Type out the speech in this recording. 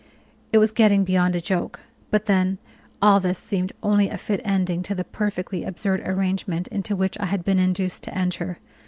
It was getting beyond a joke: but then all this seemed only a fit ending to the perfectly absurd arrangement into which I had been induced to enter.